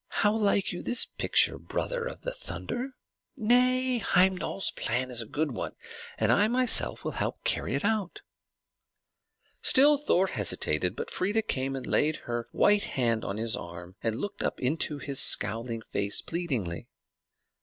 How like you this picture, brother of the thunder? Nay, Heimdal's plan is a good one, and I myself will help to carry it out." Still Thor hesitated; but Freia came and laid her white hand on his arm, and looked up into his scowling face pleadingly.